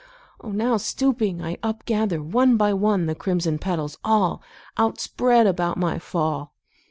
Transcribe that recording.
Now, stooping, I upgather, one by one, The crimson petals, all Outspread about my fall.